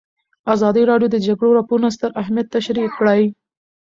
ازادي راډیو د د جګړې راپورونه ستر اهميت تشریح کړی.